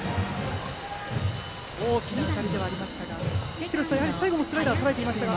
大きな当たりではありましたが廣瀬さん、最後もスライダーとらえていましたが。